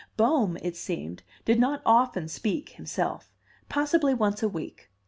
Bohm, it seemed, did not often speak himself: possibly once a week.